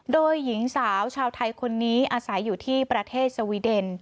โดยหญิงสาวชาวไทยคนนี้อาศัยอยู่ที่ประเทศสวีเดน